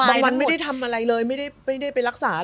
วันไม่ได้ทำอะไรเลยไม่ได้ไปรักษา